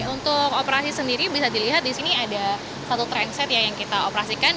untuk operasi sendiri bisa dilihat di sini ada satu transit ya yang kita operasikan